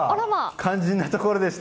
肝心なところでした。